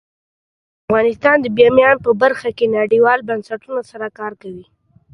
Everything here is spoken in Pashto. افغانستان د بامیان په برخه کې نړیوالو بنسټونو سره کار کوي.